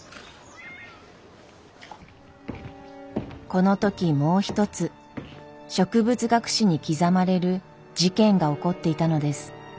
この時もう一つ植物学史に刻まれる事件が起こっていたのです。